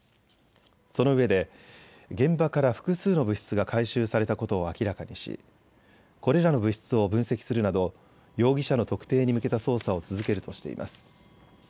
そのうえで現場から複数の物質が回収されたことを明らかにしこれらの物質を分析するなど容疑者の特定に向けた捜査を続けるとしています。